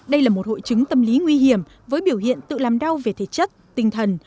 đây là một hội chứng tâm lý nguy hiểm với biểu hiện tự làm đau về thể chất tinh thần